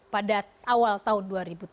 pada awal tahun dua ribu tujuh belas